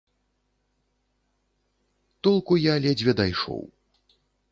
Толку я ледзьве дайшоў.